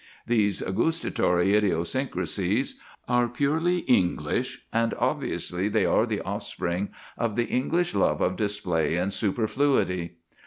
These gustatory idiosyncrasies are purely English, and obviously they are the offspring of the English love of display and superfluity.